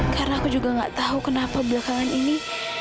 karena aku juga nggak tahu kenapa belakangan ini